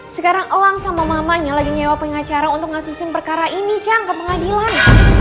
sekarang elang sama mamanya lagi nyewa pengacara untuk ngasusin perkara ini cang ke pengadilan